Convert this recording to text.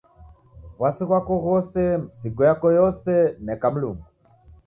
W'asi ghwako ghose, misigo yako yose, neka Mlungu.